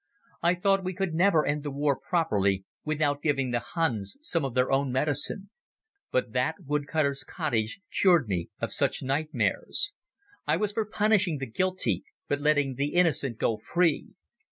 I thought we could never end the war properly without giving the Huns some of their own medicine. But that woodcutter's cottage cured me of such nightmares. I was for punishing the guilty but letting the innocent go free.